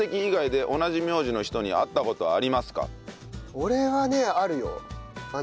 俺はねあるよ。